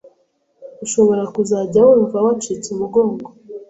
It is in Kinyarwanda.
ushobora kuzajya wumva wacitse umugongo,